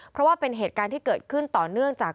เพราะว่าเป็นเหตุการณ์ที่เกิดขึ้นต่อเนื่องจาก